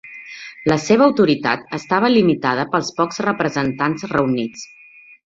La seva autoritat estava limitada pels pocs representants reunits.